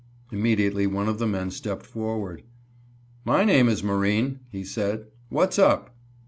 Immediately one of the men stepped forward. "My name is Marine," he said, "What's up?"